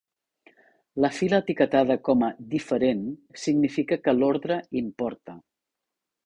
La fila etiquetada com a "Diferent" significa que l'ordre importa.